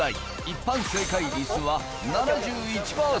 一般正解率は７１％